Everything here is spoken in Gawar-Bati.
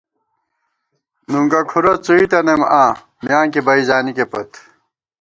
نُنگُہ کُھرَہ څُوئی تنَئیم آں ، میانکی بئ زانِکے پت